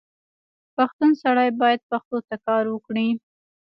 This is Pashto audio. پښتون سړی باید پښتو ته کار وکړي.